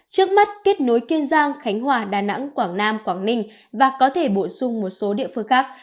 trước mắt kết nối kiên giang khánh hòa đà nẵng quảng nam quảng ninh và có thể bổ sung một số địa phương khác